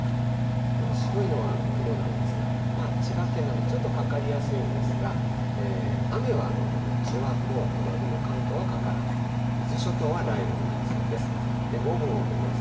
この白いのは雲なんですが、千葉県なんかちょっとかかりやすいんですが、雨は日中はもう、雨雲、関東はかからない、伊豆諸島は雷雨になりそうです。